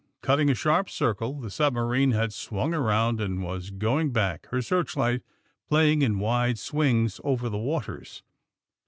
Cutting a sharp circle the submarine had swung around and was going back, her searchlight playing in wide swings over the waters.